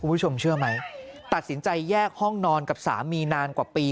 คุณผู้ชมเชื่อไหมตัดสินใจแยกห้องนอนกับสามีนานกว่าปี